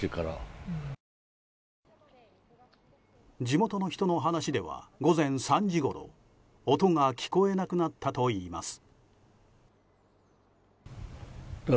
地元の人の話では午前３時ごろ音が聞こえなくなったといいます。